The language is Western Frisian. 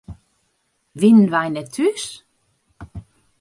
Wienen wy net thús?